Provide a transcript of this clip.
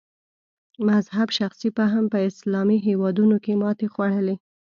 مذهب شخصي فهم په اسلامي هېوادونو کې ماتې خوړلې.